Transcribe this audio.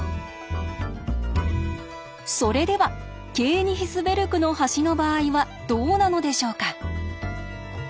それではケーニヒスベルクの橋の場合はどうなのでしょうか？